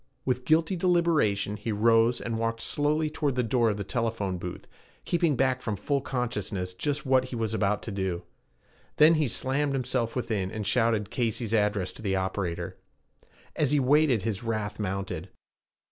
With guilty deliberation he rose and walked slowly toward the door of the telephone booth, keeping back from full consciousness just what he was about to do. Then he slammed himself within, and shouted Casey's address to the operator. As he waited, his wrath mounted.